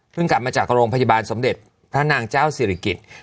กลับมาจากโรงพยาบาลสมเด็จพระนางเจ้าศิริกิจ